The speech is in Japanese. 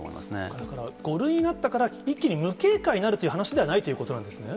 それから５類になってから、一気に無警戒になるという話ではないということなんですね。